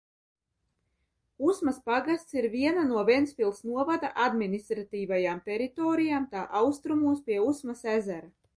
Usmas pagasts ir viena no Ventspils novada administratīvajām teritorijām tā austrumos pie Usmas ezera.